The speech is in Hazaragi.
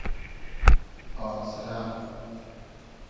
آزرۂ